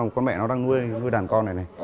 con mẹ nó đang nuôi đàn con này này